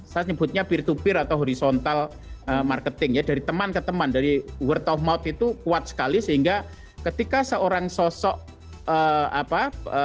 saya nyebutnya peer to peer atau horizontal marketing ya dari teman ke teman dari wort of mouth itu kuat sekali sehingga ketika seorang sosok apa